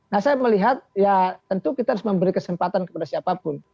nah saya melihat ya tentu kita harus memberi kesempatan kepada siapapun